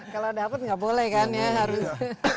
kalau dapat nggak boleh kan ya harus